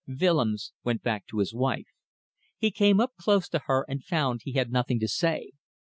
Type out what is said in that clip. Willems went back to his wife. He came up close to her and found he had nothing to say.